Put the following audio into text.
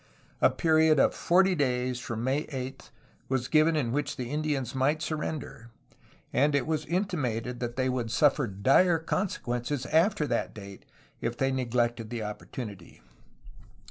A period of forty days from May 8 was given in which the Indians might surrender, and it was intimated that they would suffer dire consequences after that date if they neglected the opportunity.